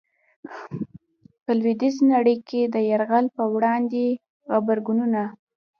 په لويديځي نړۍ کي د يرغل په وړاندي غبرګونونه